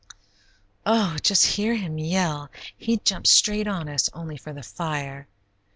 "Oh, just hear him yell; he'd jump straight on us, only for the fire.